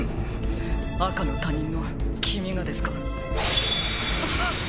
赤の他人の君がですか？